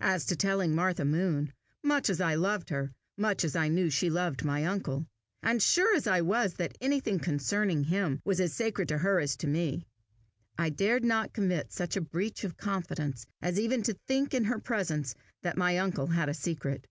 As to telling Martha Moon, much as I loved her, much as I knew she loved my uncle, and sure as I was that anything concerning him was as sacred to her as to me, I dared not commit such a breach of confidence as even to think in her presence that my uncle had a secret.